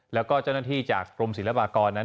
แล้วก็เจ้าหน้าที่จากกรมศิลปากรนั้น